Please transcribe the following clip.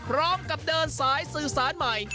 พร้อมกับเดินสายสื่อสารใหม่